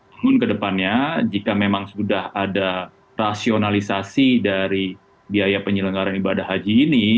namun kedepannya jika memang sudah ada rasionalisasi dari biaya penyelenggaran ibadah haji ini